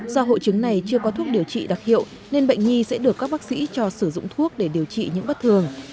do hội chứng này chưa có thuốc điều trị đặc hiệu nên bệnh nhi sẽ được các bác sĩ cho sử dụng thuốc để điều trị những bất thường